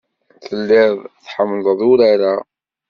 Telliḍ tḥemmleḍ urar-a.